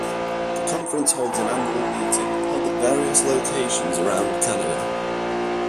The Conference holds an annual meeting, held at various locations around Canada.